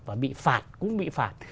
và bị phạt cũng bị phạt